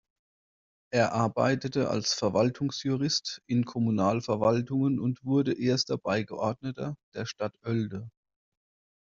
Er arbeitete als Verwaltungsjurist in Kommunalverwaltungen und wurde Erster Beigeordneter der Stadt Oelde.